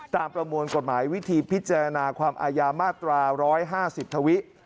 ประมวลกฎหมายวิธีพิจารณาความอายามาตรา๑๕๐ทวิ